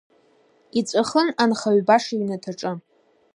Иҵәахын анхаҩ баша иҩнаҭаҿы…